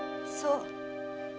そう。